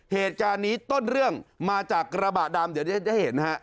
เหตุการณ์นี้ต้นเรื่องมาจากกระบะดำเดี๋ยวจะเห็นฮะ